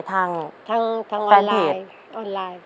ทางแฟนเพจ